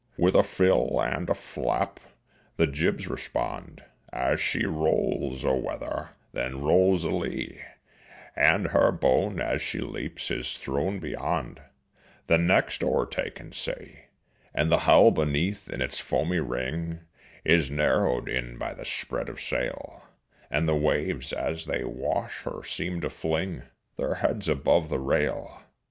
With a fill and a flap the jibs respond, As she rolls a weather, then rolls a lee, And her bone as she leaps is thrown beyond The next o'ertaken sea. And the hull beneath in its foamy ring Is narrowed in by the spread of sail, And the waves as they wash her seem to fling Their heads above the rail.